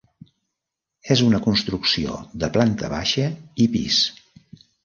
És una construcció de planta baixa i pis.